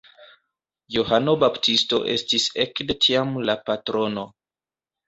Johano Baptisto estis ekde tiam la patrono.